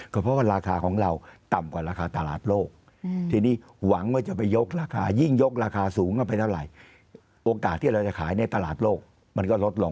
ก็เพราะว่าราคาของเราต่ำกว่าราคาตลาดโลกทีนี้หวังว่าจะไปยกราคายิ่งยกราคาสูงเข้าไปเท่าไหร่โอกาสที่เราจะขายในตลาดโลกมันก็ลดลง